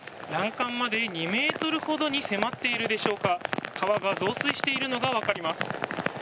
欄干まで２ｍほどに迫っているでしょうか川が増水しているのがわかります。